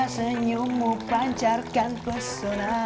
senyummu pancarkan pesona